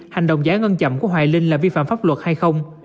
hành động giải ngân chậm của hoài linh là vi phạm pháp luật hay không